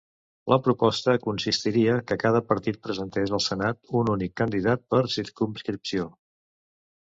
La proposta consistiria que cada partit presentés al senat un únic candidat per circumscripció.